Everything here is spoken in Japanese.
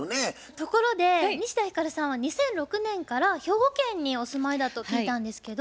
ところで西田ひかるさんは２００６年から兵庫県にお住まいだと聞いたんですけど。